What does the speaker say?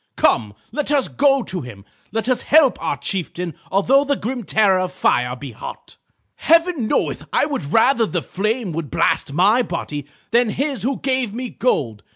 Come, let us go to him. Let us help our chieftain although the grim terror of fire be hot. "Heaven knoweth I would rather the flame would blast my body than his who gave me gold.